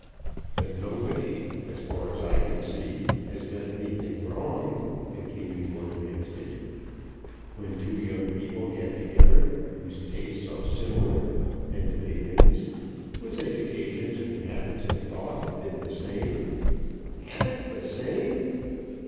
"But nobody, as far as I can see, has done anything wrong," continued Lord Hampstead. "When two young people get together whose tastes are similar, and opinions, whose educations and habits of thought have been the same " "Habits the same!"